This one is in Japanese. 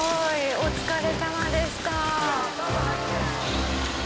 お疲れさまでした。